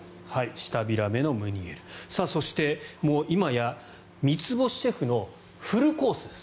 舌平目ムニエルそして、今や３つ星シェフのフルコースです。